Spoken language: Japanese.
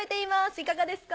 いかがですか？